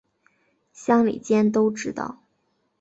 乡里间都知道